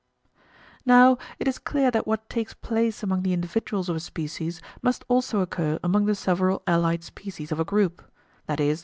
Now it is clear that what takes place among the individuals of a species must also occur among the several allied species of a group, viz.